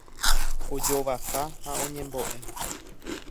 ojovasa ha oñembo'e